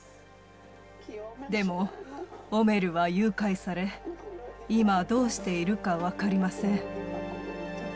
でも、オメルは誘拐され、今、どうしているか分かりません。